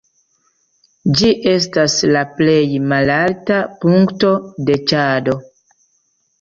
Ĝi estas la plej malalta punkto de Ĉado.